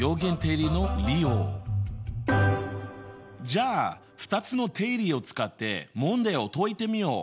じゃあ２つの定理を使って問題を解いてみよう。